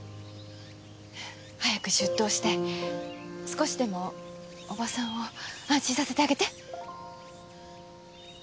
早く出頭して少しでもおばさんを安心させてあげて。